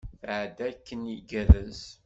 Tɛedda akken igerrez.